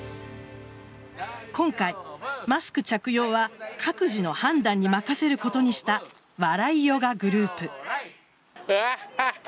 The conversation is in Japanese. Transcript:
今回、マスク着用は各自の判断に任せることにした笑いヨガグループ。